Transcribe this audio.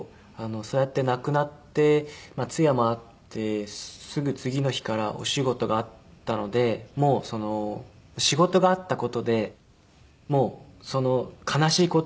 そうやって亡くなって通夜もあってすぐ次の日からお仕事があったので仕事があった事で悲しい事